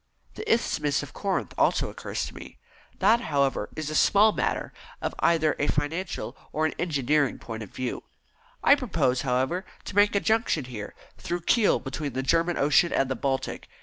"The Isthmus of Corinth also occurs to one. That, however, is a small matter, from either a financial or an engineering point of view. I propose, however, to make a junction here, through Kiel between the German Ocean and the Baltic.